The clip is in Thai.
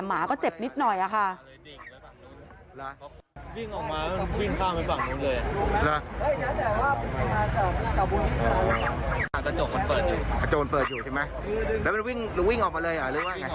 หมาก็เจ็บนิดหน่อยค่ะ